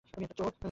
তুমি একটা চোর।